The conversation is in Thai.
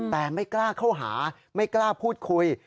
แต่ไม่กล้าเข้าหาไม่กล้าพูดคุย